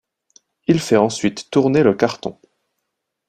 Il fait ensuite tourner le carton.